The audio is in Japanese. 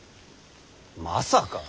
まさか！